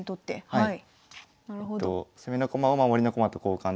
はい。